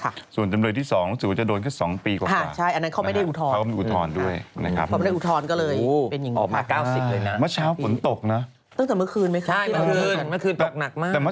โดจนจำเลยที่๒รู้สึกว่าจะโดนแต่๒ปีกว่า